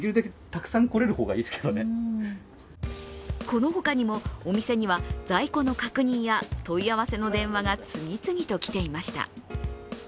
この他にも、お店には在庫の確認や問い合わせの電話が次々ときていました。